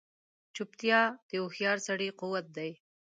چوپتیا، د هوښیار سړي قوت دی.